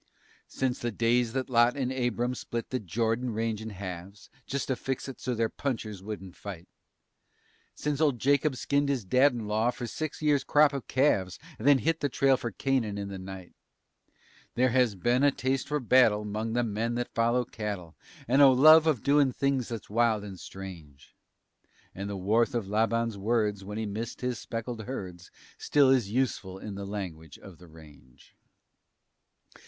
Since the days that Lot and Abram split the Jordan range in halves, Just to fix it so their punchers wouldn't fight, Since old Jacob skinned his dad in law for six years' crop of calves And then hit the trail for Canaan in the night, There has been a taste for battle 'mong the men that follow cattle And a love of doin' things that's wild and strange, And the warmth of Laban's words when he missed his speckled herds Still is useful in the language of the range.